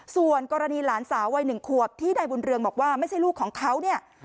ส่วนกรณีหลานสาววัย๑ขวบที่นายบุญเรืองบอกว่าไม่ใช่ลูกของเขาเนี่ย